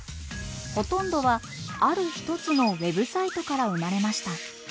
ほとんどはある一つのＷＥＢサイトから生まれました。